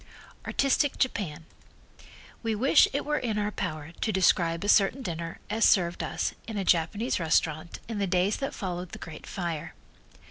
Artistic Japan We wish it were in our power to describe a certain dinner as served us in a Japanese restaurant in the days that followed the great fire.